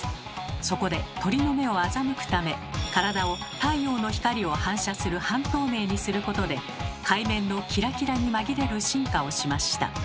そこで鳥の目を欺くため体を太陽の光を反射する半透明にすることで海面のキラキラに紛れる進化をしました。